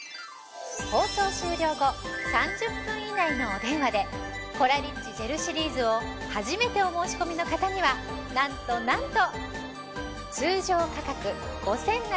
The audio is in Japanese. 放送終了後３０分以内のお電話でコラリッチジェルシリーズを初めてお申し込みの方にはなんとなんと。